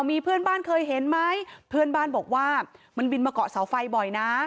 มีเพื่อนบ้านเคยเห็นไหมเพื่อนบ้านบอกว่ามันบินมาเกาะเสาไฟบ่อยนะ